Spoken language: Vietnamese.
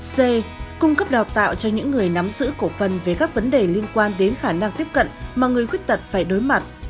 c cung cấp đào tạo cho những người nắm giữ cổ phân về các vấn đề liên quan đến khả năng tiếp cận mà người khuyết tật phải đối mặt